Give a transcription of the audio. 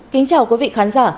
kính chào quý vị khán giả